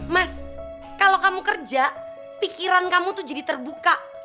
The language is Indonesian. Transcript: mas kalau kamu kerja pikiran kamu tuh jadi terbuka